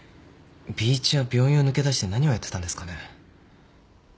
Ｂ一は病院を抜け出して何をやってたんですかね。